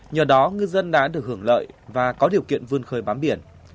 nhờ đó ngư dân đã được hưởng lợi và có điều kiện vươn khơi bám biển